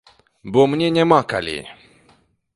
Бо мне няма калі.